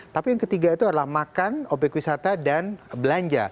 tapi yang ketiga itu adalah makan obyek wisata dan belanja